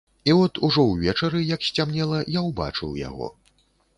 І от, ужо ўвечары, як сцямнела, я ўбачыў яго.